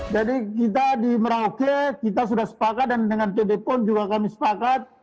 jadi kita di merauke kita sudah sepakat dan dengan kdpon juga kami sepakat